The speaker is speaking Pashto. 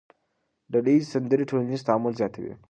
ډلهییزې سندرې ټولنیز تعامل زیاتوي.